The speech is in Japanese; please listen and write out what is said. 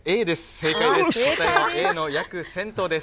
正解です。